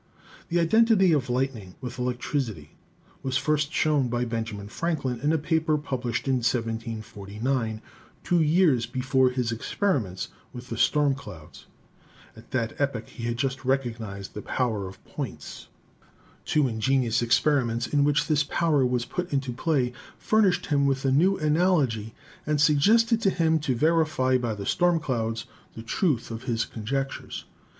The identity of lightning with electricity was first shown by Benjamin Franklin in a paper published in 1749, two years before his experiments with the storm clouds. At that epoch he had just recognised the power of points. Two ingenious experiments in which this power was put into play furnished him with a new analogy and suggested to him to verify by the storm clouds the truth of his con jectures.